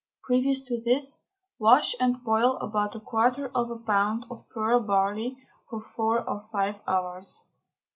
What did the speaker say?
Previous to this, wash and boil about a quarter of a pound of pearl barley for four or five hours.